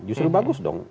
justru bagus dong